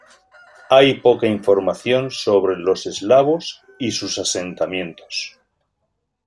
Hay poca información sobre los eslavos y sus asentamientos.